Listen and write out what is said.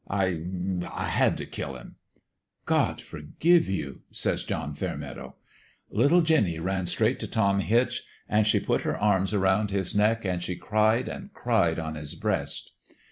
I I had t' kill him.' "' God forgive you !' says John Fairmeadow. " Little Jinny ran straight t' Tom Hitch ; an' she put her arms around his neck, an' she cried an' cried on his breast.